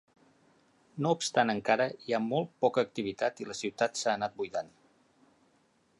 No obstant encara hi ha molt poca activitat i la ciutat s'ha anat buidant.